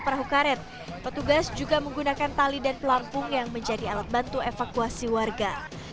perahu karet petugas juga menggunakan tali dan pelampung yang menjadi alat bantu evakuasi warga